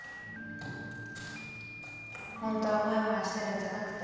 ホントはモヤモヤしてるんじゃなくて？